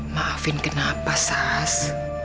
maafin kenapa sas